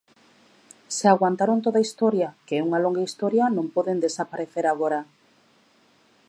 Se aguantaron toda a historia, que é unha longa historia, non poden desaparecer agora.